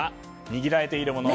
握られているもの